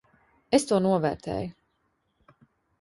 Es to novērtēju.